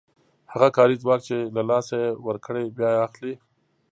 هغه کاري ځواک چې له لاسه یې ورکړی بیا اخلي